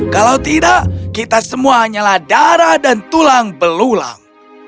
kalau tidak kita semuanyalah darah dan tulang belulang